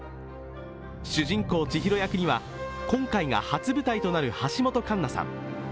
主人公・千尋役には今回が初舞台となる橋本環奈さん